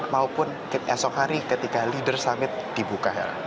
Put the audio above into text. maupun esok hari ketika leader summit di bukahera